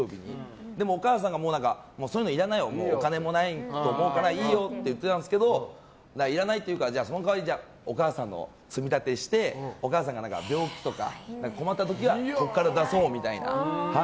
でもお母さんがそういうのいらないよお金もないと思うからいいよって言っていたんですけどいらないって言うからお母さんに積立してお母さんが病気とか困った時はここから出そうみたいな。